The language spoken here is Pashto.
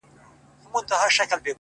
• څوک منصور نسته چي یې په دار کي ,